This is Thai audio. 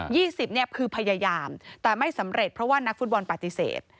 สิบเนี่ยคือพยายามแต่ไม่สำเร็จเพราะว่านักฟุตบอลปฏิเสธ